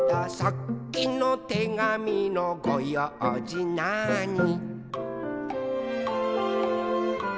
「さっきのてがみのごようじなーに」